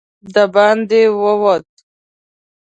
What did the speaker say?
د باندې ووت.